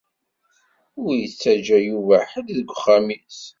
Ur ittaǧa Yuba ḥedd deg uxxam-is.